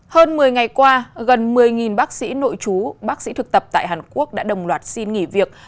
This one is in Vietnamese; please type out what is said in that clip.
hơn một mươi ngày qua gần một mươi bác sĩ nội chú bác sĩ thực tập tại hàn quốc đã đồng loạt xin nghỉ việc